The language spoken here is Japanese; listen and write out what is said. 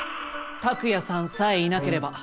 拓也さんさえいなければ。